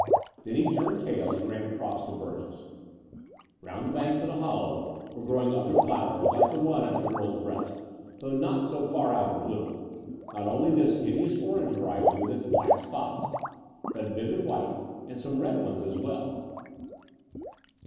Then he turned tail and ran across to Burgess. Round the banks of the hollow were growing 156 The Door of the Unraal other flowers like the one at the girl's breast, though pot so far out in bloom — ^not only this hideous orange variety with its black spots, but vivid white and some red ones as well.